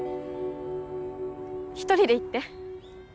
１人で行って。